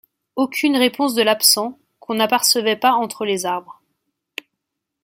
Aucune réponse de l’absent, qu’on n’apercevait pas entre les arbres.